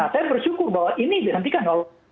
saya bersyukur bahwa ini dihentikan